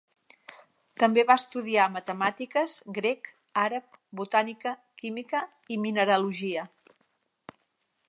També va estudiar matemàtiques, grec, àrab, botànica, química i mineralogia.